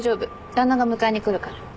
旦那が迎えに来るから。